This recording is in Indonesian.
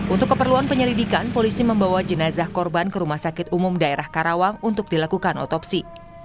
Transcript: untuk keperluan penyelidikan polisi membawa jenazah korban ke rumah sakit umum daerah karawang untuk dilakukan otopsi